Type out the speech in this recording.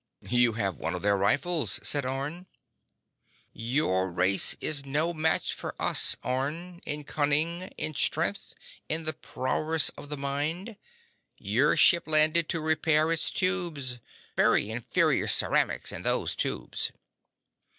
"You have one of their rifles," said Orne. "Your race is no match for us, Orne ... in cunning, in strength, in the prowess of the mind. Your ship landed to repair its tubes. Very inferior ceramics in those tubes."